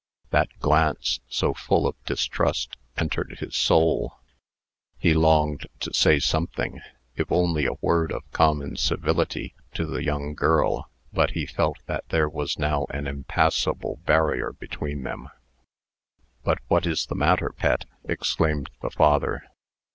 That glance, so full of distrust, entered his soul. He longed to say something if only a word of common civility to the young girl; but he felt that there was now an impassable barrier between them. "But what is the matter, Pet?" exclaimed the father.